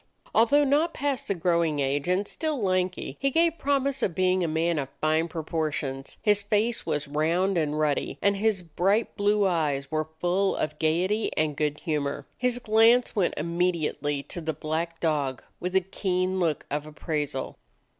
Although not past the growing age and still lanky, he gave promise of being a man of fine proportions; his face was round and ruddy, and his bright blue eyes were full of gaiety and good humor. His glance went immediately to the black dog with a keen look of appraisal.